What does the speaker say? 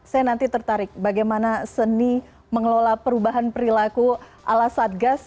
saya nanti tertarik bagaimana seni mengelola perubahan perilaku ala satgas